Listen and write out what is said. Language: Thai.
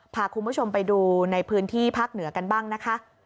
พาคุณผู้ชมไปดูในพื้นที่ภาคเหนือกันบ้างนะคะ